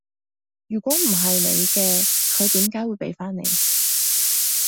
如果唔係你嘅，佢點解會畀返你？